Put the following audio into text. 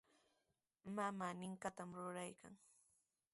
Mamaa ninqantami ruraykaa.